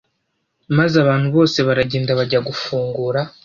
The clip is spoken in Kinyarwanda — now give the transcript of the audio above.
maze abantu bose baragenda bajya gufungura